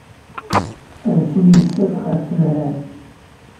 Adfel yessa-d ɣef udrar.